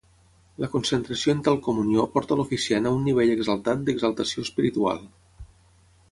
La concentració en tal comunió porta l'oficiant a un nivell exaltat d'exaltació espiritual.